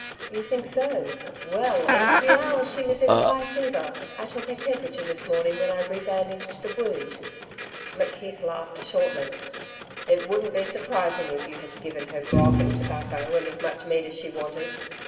'You think so well in a few hours she was in a high fever. I took her temperature this morning when I re bandaged the wound.' McKeith laughed shortly. 'It wouldn't be surprising, if you had given her grog and tobacco and as much meat as she wanted.